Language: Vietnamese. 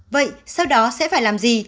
vậy sau đó sẽ phải làm sao